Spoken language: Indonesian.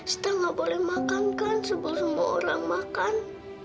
sita gak boleh makan kan sebel semua orang makan